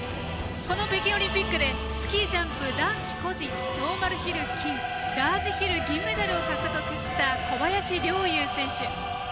この北京オリンピックでスキージャンプ男子個人ノーマルヒル金ラージヒル銀メダルを獲得した小林陵侑選手。